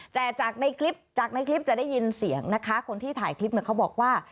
แต่จากในคลิปจากในคลิปจะได้ยินเสียงนะคะคนที่ถ่ายคลิปเนี่ยเขาบอกว่า